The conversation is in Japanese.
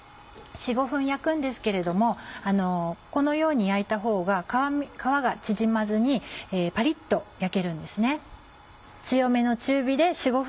４５分焼くんですけれどもこのように焼いたほうが皮が縮まずにパリっと焼けるんです。